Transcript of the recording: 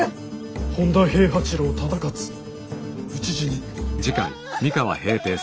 本多平八郎忠勝討ち死に。